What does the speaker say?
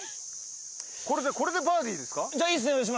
これでバーディーですか？